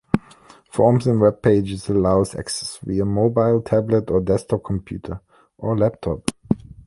Forms in webpages allows access via mobile, tablet or desktop computer or laptop.